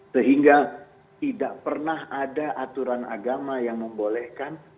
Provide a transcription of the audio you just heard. sehingga tidak pernah ada aturan agama yang membolehkan